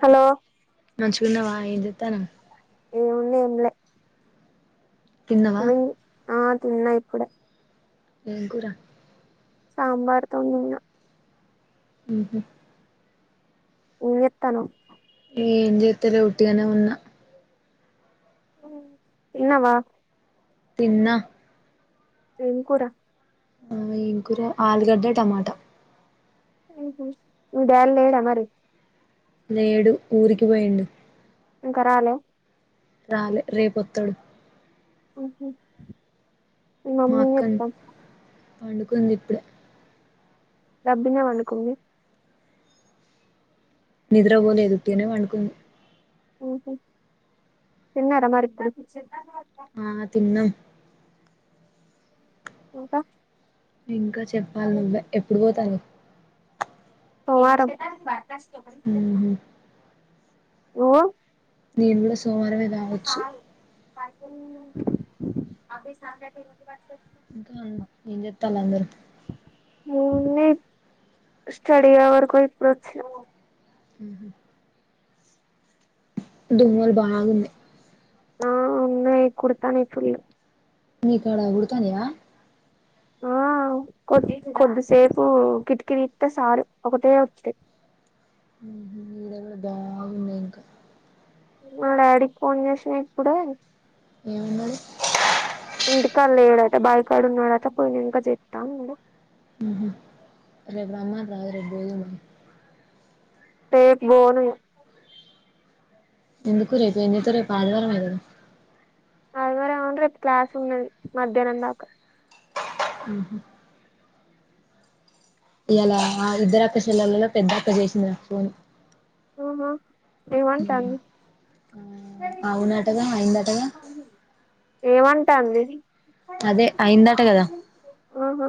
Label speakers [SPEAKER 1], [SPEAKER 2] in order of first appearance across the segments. [SPEAKER 1] Hello
[SPEAKER 2] మంచిగున్నావా ఏంచేత్తనవు.
[SPEAKER 1] ఏముంది ఏంలే.
[SPEAKER 2] తిన్నవా?
[SPEAKER 1] నువ్వేంది ఆ తిన్నా ఇప్పుడే.
[SPEAKER 2] ఏం కూరా?
[SPEAKER 1] సాంబార్ తోని తిన్నా.
[SPEAKER 2] ఉహు
[SPEAKER 1] ఏం చేస్తున్నావ్
[SPEAKER 2] ఏం చేస్తారు ఉత్తిగనే ఉన్నా
[SPEAKER 1] తిన్నవా
[SPEAKER 2] తిన్నా
[SPEAKER 1] ఏం కూర
[SPEAKER 2] ఆ ఏం కూర ఆలుగడ్డ టమాట
[SPEAKER 1] ఉమ్ మీ డాడ్ లేడా మరి
[SPEAKER 2] లేడు ఊరికి పోయిండు
[SPEAKER 1] ఇంకా రాలే
[SPEAKER 2] రాలే రేపొత్తడు
[SPEAKER 1] హాఫ్ చెయ్ మీ
[SPEAKER 2] మా
[SPEAKER 1] మమ్మీ ఏం
[SPEAKER 2] అక్క
[SPEAKER 1] చేత్తాంది.
[SPEAKER 2] పండుకుంది ఇప్పుడే.
[SPEAKER 1] రబ్బినే పడుకుంది.
[SPEAKER 2] నిద్ర పోలేదు ఉట్టిగనే పండుకుంది.
[SPEAKER 1] హుహు తిన్నారా మరి ఇప్పుడు.
[SPEAKER 2] ఆ తిన్నాం
[SPEAKER 1] ఇంకా
[SPEAKER 2] ఇంకా చె ప్పాలి నువ్వే ఎప్పుడు పోతన్నవు.
[SPEAKER 1] సోమవారం
[SPEAKER 2] ఊహూ
[SPEAKER 1] ఇగో
[SPEAKER 2] నేను కూడా సోమవారమే కావచ్చు.
[SPEAKER 1] హ్ అభి సాటర్డె ఎందుకు [inaudible]
[SPEAKER 2] ఇంకా ఎంచెత్తాలందరు.
[SPEAKER 1] [unintelligible] స్టడీ అవర్కోయి ఇప్పుడచ్చినా
[SPEAKER 2] హుహ్ దోమలు బాగున్నయి.
[SPEAKER 1] ఆ ఉన్నయి కూడుతన్నయి ఫుల్లు.
[SPEAKER 2] మీకాడ కుడతన్నయా.
[SPEAKER 1] ఆ కొద్ది కొద్దిసేపు కిటికీ తిత్తే సాలు ఒకటే వత్తయి.
[SPEAKER 2] హుహ్ ఇడ కూడా బాగున్నయి ఇంకా.
[SPEAKER 1] మా డాడీకి ఫోన్ చేశిన ఇప్పుడే
[SPEAKER 2] ఏమన్నాడు
[SPEAKER 1] ఇంటికాడ లేడట బాఇ కాడున్నాడట పోయినంకా చెపత్త అన్నాడు
[SPEAKER 2] హు రేపు రమ్మనరాదు రేపు పోదువు
[SPEAKER 1] రేప్ బోను ఇగ
[SPEAKER 2] ఎందుకు రేప్ ఎం చెత్త వ్ రేపు ఆదివారమే కదా
[SPEAKER 1] అదివారమే కని రేప్ క్లాస్ ఉన్నది మధ్యాహ్నం దాకా
[SPEAKER 2] ఆహ ఇయ్యలా వాళ్లిద్దరిక్క చెిల్లలలో పెద్ద అక్క చేసింది నాకు ఫోన్
[SPEAKER 1] ఆహా ఏమంటాంది
[SPEAKER 2] ఆ అవునటగా అయిందటగా
[SPEAKER 1] ఏమం టంది.
[SPEAKER 2] అదే అయిందట కదా
[SPEAKER 1] ఆహా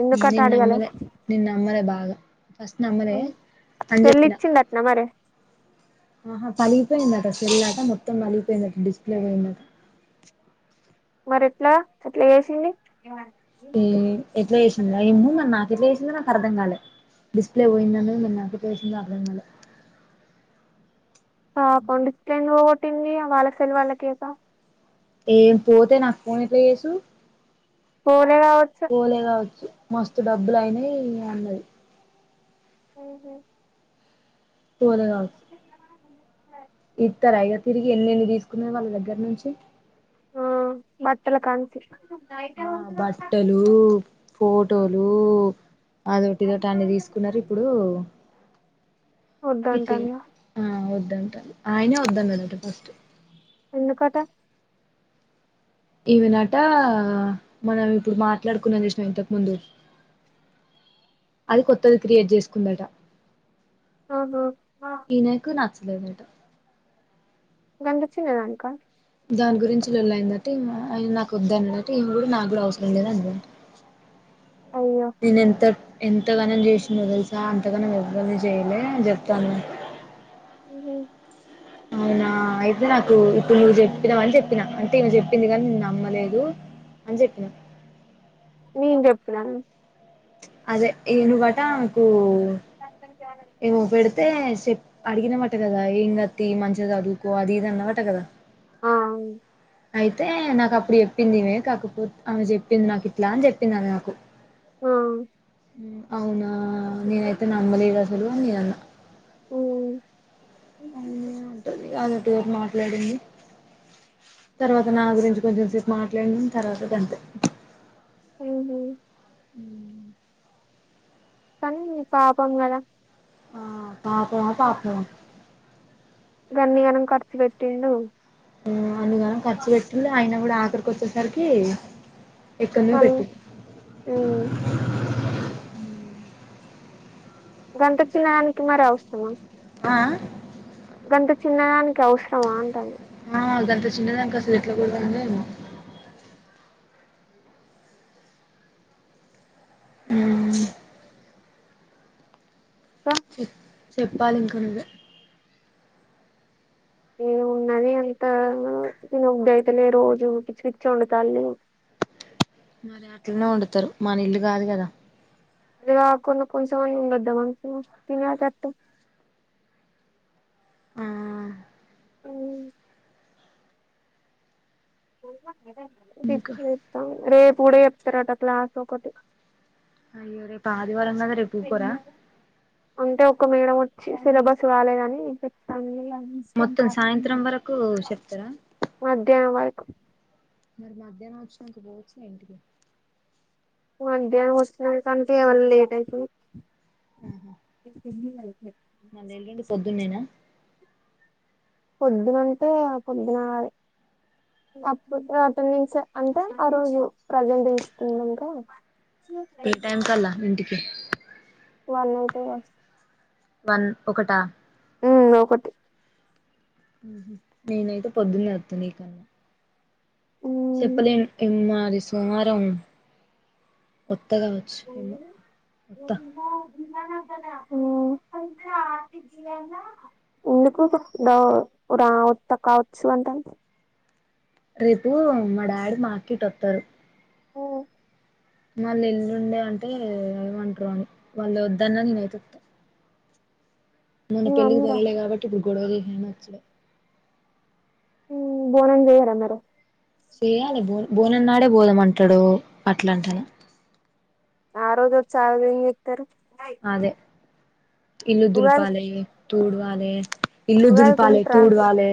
[SPEAKER 1] ఎందుకట
[SPEAKER 2] నేనునమ్మలే నేనునమ్మలే బా అలా
[SPEAKER 1] అవును సెల్లు ఇచ్చిందటన మరి.
[SPEAKER 2] ఆహా పలిగిపోయిందట సెల్లటా మొత్తం పలిగిపోయిందట డిస్ప్లే పోయిందట.
[SPEAKER 1] మరి ఎట్లా అట్లా చేసింది.
[SPEAKER 2] ఎ ఎట్లా చేసిందా ఎమో మరి నాక్ ఎట్ల చేసిందో నాకు అర్థం కాలే. డిస్ప్లే పోయింది అన్నది మరి నాకు ఎట్లా చేసిందో అర్థం కాలే.
[SPEAKER 1] పాపం డెస్ప్ల్ ఎందుకు పో పిన్ని వాళ్ళసెల్ వాళ్ళకీయక
[SPEAKER 2] ఏం పోతే నాకు పోన్ ఎట్లా చేసు
[SPEAKER 1] పో
[SPEAKER 2] పోలే కావచ్చు మస్తు డబ్బులు అయినాయి అన్నది
[SPEAKER 1] మ్ హు
[SPEAKER 2] పోలె కావచ్చు ఇస్తరయిగా తిరిగి ఎన్నిెన్ని తీసుకున్నాది వాళ్ళ దగ్గర నుంచి
[SPEAKER 1] ఆ బట్టల కన్నుంచి
[SPEAKER 2] ఆ బట్టలూ ఫో టోలు అదొటి ఇదొటి అన్ని తీసుకున్నారు ఇప్పుడు ఇట్లే
[SPEAKER 1] వద్దంటాందా
[SPEAKER 2] ఆ అవు వద్దంట ఆయనే వద్దాన్నడట ఫస్ట్
[SPEAKER 1] ఎందుకటా
[SPEAKER 2] ఈమేనటా మనం ఇప్పుడు మాట్లాడుకునం చసినవ ఇంతకు ముందు అది కొత్తది క్రియేట్ చేసుకుందట
[SPEAKER 1] ఆహా
[SPEAKER 2] ఈనకు నాక్ చ్చలేదట
[SPEAKER 1] గంత చిన్న దానిక
[SPEAKER 2] దాని గురించి లొల్లయిందట ఇంగ ఆయిన నాకు వద్దాన్నడట ఈమే కూడా నాకు కూడా అవసరం లేదు అన్నదట
[SPEAKER 1] అయ్యో
[SPEAKER 2] దీన్నేత ఎంతగనం చేసిన్నో తెలుసా అంతగనం ఎవ్వాల్ని చేయ్యలే అని జెప్తంది అవునా అయితే నాకు ఇప్పుడు నువ్వు చెప్పిన వని చెప్పినా అంటే నయన చెప్పింది కాని నేను నమ్మలేదు అని చెప్పినా
[SPEAKER 1] నేన్ చెప్పినాను
[SPEAKER 2] అదే ఈను బట నాకు ఏమో బెడితే చెప్ అడిగినవట్ట కదా ఏం గతి మంచిది చదువుకోవాలి అది ఇది అన్నవట కదా
[SPEAKER 1] ఆ అవును
[SPEAKER 2] అయితే నాకు అప్పుడు చెప్పింది ఇవే కాకపోత్ ఆమె చెప్పింది నాకు ఇట్లా అని చెప్పింది అమే నాకు అవునా నేనైతే నమ్మలేదు అసలు నేనన్న
[SPEAKER 1] ఉమ్
[SPEAKER 2] ఆమె పెర్మర్ డిందీ తర్వత నా గురించి కొంచెం సేప్ మాట్లాడింది తర్వాత గంతే
[SPEAKER 1] ఊహు
[SPEAKER 2] ఉ
[SPEAKER 1] కానీ పాపం గద
[SPEAKER 2] ఆ పాపమ పాపమ
[SPEAKER 1] గన్నయనమ్ ఖర్చు పెట్టిండు
[SPEAKER 2] ఉమ్ అందుగాన ఖర్చు పెట్టింది ఆయన కూడా ఆ ఇక్కడికి వచ్చేసరికి ఎక్కడ్నో
[SPEAKER 1] మళ్ళ
[SPEAKER 2] పెట్టి
[SPEAKER 1] ఉమ్
[SPEAKER 2] అ [unintelligible]
[SPEAKER 1] గంట చినానికి మరి అవసరమ
[SPEAKER 2] ఆ ఆ
[SPEAKER 1] గంత చిన్నదానికి అవసరమా అంటంది
[SPEAKER 2] ఆ దానిట్ చిన్నదాక అసలు ఎట్లా కూడా ఏందేమో ఉ
[SPEAKER 1] క
[SPEAKER 2] చెప్పాలి ఇంక నువ్వే
[SPEAKER 1] ఏ ఉన్నని అంటారు తినబుద్ధి అయితలేదు రోజు పిచ్చి పిచ్చి వండుతాంది
[SPEAKER 2] మరి అట్లనే వండుతారు మన ఇల్లు కాదు కదా
[SPEAKER 1] ఇ కొన కొస మని ఉండద్ద మాస తినేటట్టు
[SPEAKER 2] ఆ
[SPEAKER 1] అ పోప గిఫ్ట్
[SPEAKER 2] ఇంకా
[SPEAKER 1] చేస్తాం రేపు పుడే చెప్తారట క్లాస్ ఒకటి
[SPEAKER 2] అయ్యోరే పా
[SPEAKER 1] అంటే ఒక మేడ సిలబస్ కలేని చెప్తా
[SPEAKER 2] మొత్తం సాయంత్రం వరకు చెప్తారా
[SPEAKER 1] మధ్యనం వర్క్
[SPEAKER 2] మరి మధ్యాహ్నం వచ్చిన నానికి పోవచ్చు ఇంటికి
[SPEAKER 1] మధ్యాహ్నం వస్తున కంటే ఎవరి లేదయితే
[SPEAKER 2] ఆహా మళేలుండి పొద్దున్నేనా
[SPEAKER 1] పొద్దునంటే పొద్దున అప్పు అటెడిన్స్ అంటే ఆ రోజు ప్రజెంట్ తీసుకున్నాంకా
[SPEAKER 2] ఏ టైమ్స్ అల ఇంటికి
[SPEAKER 1] వన్ అయితదా
[SPEAKER 2] వన్ ఒకటా
[SPEAKER 1] ఉ ఒకటి
[SPEAKER 2] ఉహు నేనైతే పొద్దున్నే వత్తను ఇకా
[SPEAKER 1] ఉమ్
[SPEAKER 2] మరి సోమవారం వత్త కావచ్చు ఏమో వత్త
[SPEAKER 1] [unintelligible]
[SPEAKER 2] రేపు మా డాడీ మార్కెట్ వత్తారు మళ్ళ ఎల్లుండే అంటే ఏమంటారు అని వాళ్ళు వద్దన్న నేనైతే వత్త మన
[SPEAKER 1] మీ
[SPEAKER 2] పెళ్ళగు
[SPEAKER 1] మమ్మీ రా
[SPEAKER 2] ధరలే కాబట్టి గోడరి హ నచ్చలే
[SPEAKER 1] ఉమ్ భోజనం చేయరా మిరు
[SPEAKER 2] చేయాలి బో బోనం నాడే బోలంమంటాడు అట్లా అంటను
[SPEAKER 1] ఆ రోజు వాచి ఆవి ఇవి పికుతరు
[SPEAKER 2] అదే ఇల్లు
[SPEAKER 1] ఉగాది
[SPEAKER 2] దుల్పాలయి తూడువాలే ఇల్లు
[SPEAKER 1] ఉగాదికి
[SPEAKER 2] దుల్పాలే తూడు వాాలే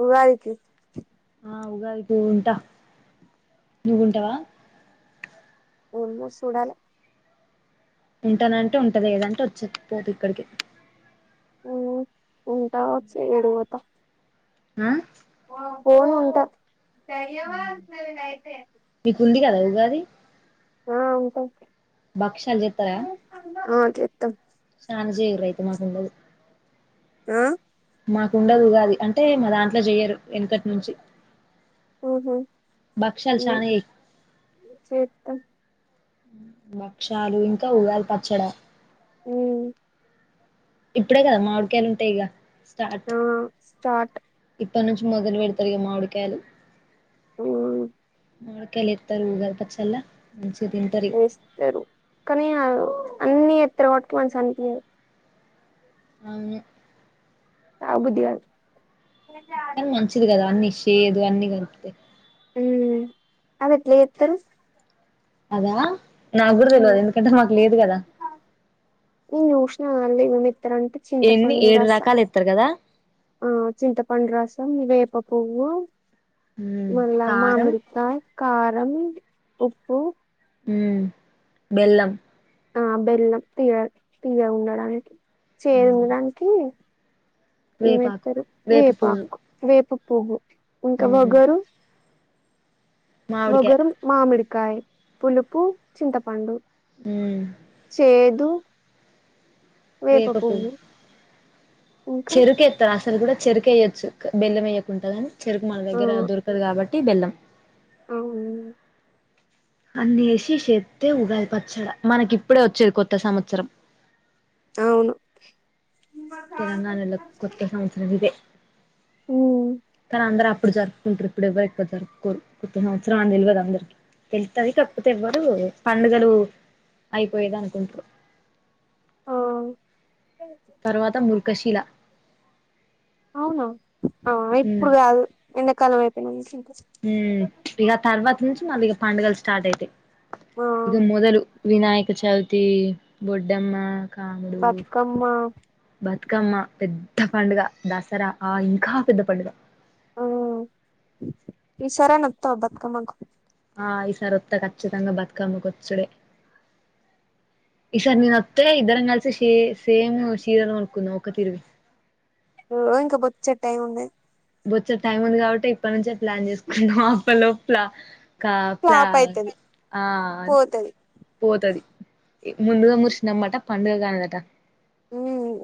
[SPEAKER 1] ఉగాది కి
[SPEAKER 2] ఆ ఉగాది కి ఉంటా నువ్వు ఉంటావా
[SPEAKER 1] ఆ ల్మోస్ట్ చూడాలే
[SPEAKER 2] ఉంటానంటే ఉంటది ఏదంటే వచ్చేక పోదు ఇక్కడికి
[SPEAKER 1] ఉంటా వాచి ఎడికిపోతా
[SPEAKER 2] ఆ
[SPEAKER 1] పోన్ ఉంటా దయ్యవా న అయితే అ
[SPEAKER 2] గాది ఉగాది
[SPEAKER 1] ఆ ఉంటామ్
[SPEAKER 2] బక్షాల్ చేతరా
[SPEAKER 1] చేతమ్
[SPEAKER 2] పంచేయండ్రి మాకు ఉండదు
[SPEAKER 1] ఆ
[SPEAKER 2] మాకుండదుగాది అంటే మా దాంట్లో చెయ్యరు వెనుకటి నుంచి భక్షాలు
[SPEAKER 1] మ్
[SPEAKER 2] చానా
[SPEAKER 1] చేత్తం
[SPEAKER 2] భక్షాలు ఇంకా ఉగాది పచ్చడ
[SPEAKER 1] మ్
[SPEAKER 2] ఇప్పుడే కదా మామిడికాయలుంటయి ఇగ స్టార్ట్
[SPEAKER 1] ఆ స్టార్ట్
[SPEAKER 2] ఇప్పటి నుంచి మొదలు పెడతారు క మామిడికాయలు
[SPEAKER 1] ఉమ్
[SPEAKER 2] మోడకయలి ఇతారు ఊగ పచ్చల్ మా
[SPEAKER 1] వస్తరు కనీ అన్నీ ఎత్రగబాటి మన్సానిపియాధు
[SPEAKER 2] అవును
[SPEAKER 1] ఆ బుడిగడు
[SPEAKER 2] కా మంచిది కదా అన్నీ ఇష్టం చేయదు అన్నీ కనిపితా
[SPEAKER 1] మ్ అది ఎట్ల చెత్తరు
[SPEAKER 2] అదా నాక్ గుడ తెల్వదు ఎందుకంటే మాకు లేదు కదా
[SPEAKER 1] [unintelligible] త అంటే
[SPEAKER 2] ఎన్ని
[SPEAKER 1] చింతపండు
[SPEAKER 2] ఏడు
[SPEAKER 1] రస
[SPEAKER 2] రకాలు ఎత్తారు కదా
[SPEAKER 1] ఆ చింతపండు రా వేప పువ్వు
[SPEAKER 2] ఉమ్
[SPEAKER 1] మళ్ళ
[SPEAKER 2] కారం
[SPEAKER 1] మామిడికాయ్ కారం, ఉప్పు
[SPEAKER 2] హ్ బెల్లం
[SPEAKER 1] ఆ బెల్లం తీయ తీయగుండడానికి చేదు
[SPEAKER 2] ఉమ్
[SPEAKER 1] దానికి ఏం
[SPEAKER 2] వేపాకు
[SPEAKER 1] ఎత్తరు
[SPEAKER 2] వేప పువ్వు
[SPEAKER 1] వేపాకు వేప పువ్వు ఇంకా
[SPEAKER 2] ఉమ్
[SPEAKER 1] వగరు
[SPEAKER 2] మామిడికాయ
[SPEAKER 1] వగరు మామిడి కాయ్ పులుపు చింతపండు.
[SPEAKER 2] ఉమ్
[SPEAKER 1] చేదు వేప పువ్వు ఇంకా
[SPEAKER 2] చెరుకేత్తా అసల్ గుడా చెరుకేయ్యచ్చు క బెల్లం ఏయ్యకుంట గని చెరుకు మన దగ్గర దొరకదు కాబట్ టీ బెల్లం
[SPEAKER 1] అవు.
[SPEAKER 2] మనకి ఇప్పుడే వచ్చేది కొత్త సంవత్సరం.
[SPEAKER 1] ఆవును
[SPEAKER 2] తెలంగాణలో కొత్త సంవత్సరం ఇదే.
[SPEAKER 1] ఉమ్,
[SPEAKER 2] తెలుత్తది కాకపోతే ఎవ్వరు పండుగలు అయిపోయేది అనుకుంటరు.
[SPEAKER 1] ఆ
[SPEAKER 2] తర్వాత ముర్కశిల
[SPEAKER 1] అవును ఆ ఇప్పుడు కాదు ఎండాకాలం అ [unintelligible]
[SPEAKER 2] మ్ ఇగ తర్వా త నుంచి మళ్ళీగ పండుగల్ స్టార్ట్ అయితయి
[SPEAKER 1] ఆ
[SPEAKER 2] ఇది మొదలు వినాయ చవితి బొడ్డమ్మ కాముడు
[SPEAKER 1] బతుకమ్మ
[SPEAKER 2] బతుకమ్మ పెద్ద పండుగ. దసరా ఆ ఇంకా పెద్ద పండుగ
[SPEAKER 1] ఈషారి అన్న ఒత్తవ బతుకమ్మకు
[SPEAKER 2] ఆ ఈసారి వత్తా ఖచ్చితంగా బతుకమ్మ కొచ్చుడే.
[SPEAKER 1] అ ఇంకా బొచ్చెడు టైమ్ ఉంది
[SPEAKER 2] అప్పట్ లోపల కా పలా
[SPEAKER 1] ఫ్లాప్ అయితది
[SPEAKER 2] ఆ
[SPEAKER 1] పోతది
[SPEAKER 2] పోతది పండుగ కాదట
[SPEAKER 1] ఉ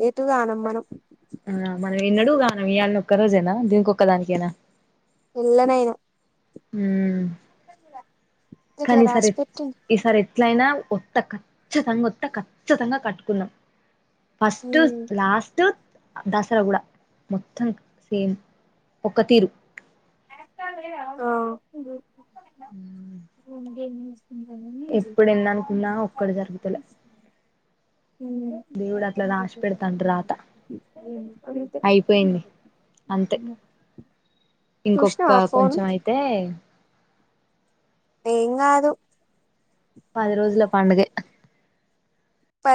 [SPEAKER 1] ఎటు కానం మనం
[SPEAKER 2] ఆ మనం ఎన్నడూ గానం మనం ఇయాల ఒక్క రోజేనా దీనికి ఒక్కదానికేనా.
[SPEAKER 1] ఎల్ల నైనా
[SPEAKER 2] హ
[SPEAKER 1] ఇట్లా
[SPEAKER 2] కానీ సరే
[SPEAKER 1] రాసి పెట్టిండు
[SPEAKER 2] ఈ సారే ఎట్లయినా ఒత్త ఖచ్చితంగా ఒత్త ఖచ్చితంగ కట్టుకున్నాం ఫస్ట్,
[SPEAKER 1] ఉమ్
[SPEAKER 2] లాస్ట్ మొత్తం సేమ్ ఒక్క తీరు
[SPEAKER 1] ఆ
[SPEAKER 2] హ
[SPEAKER 1] ఏ
[SPEAKER 2] ఎప్పుడు ఎన్ని అనుకున్నా ఒక్కటి జరుగుతులే దేవుడు అట్లా రాసి పెడతాండు రాత
[SPEAKER 1] అంతే
[SPEAKER 2] అయిపోయింది అంతే. ఇంకొ ఇంకా
[SPEAKER 1] చూసినావా ఫోన్
[SPEAKER 2] కొంచెం అయితే
[SPEAKER 1] ఎంగాదు
[SPEAKER 2] పది రోజుల పండుగె
[SPEAKER 1] ప